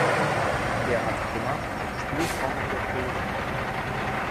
Gerhard Grümmer: Spielformen der Poesie.